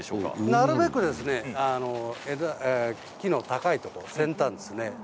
なるべく木の高いところ、先端ですね。